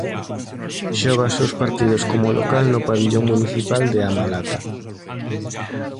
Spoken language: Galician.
Xoga os seus partidos como local no pavillón municipal de A Malata.